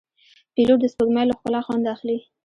پیلوټ د سپوږمۍ له ښکلا خوند اخلي.